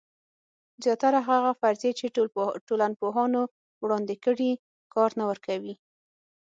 زیاتره هغه فرضیې چې ټولنپوهانو وړاندې کړي کار نه ورکوي.